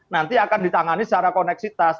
nanti akan ditangani secara koneksitas